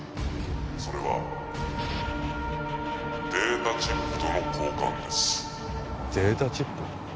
それはデータチップとの交換ですデータチップ？